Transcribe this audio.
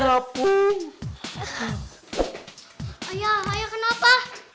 ayah ayah kenapa